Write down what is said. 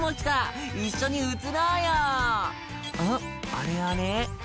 あれあれ？」